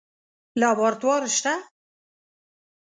لابراتوار شته؟